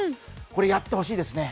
これ、やってほしいですね。